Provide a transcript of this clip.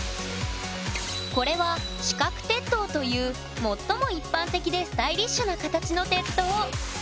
これは四角鉄塔という最も一般的でスタイリッシュな形の鉄塔。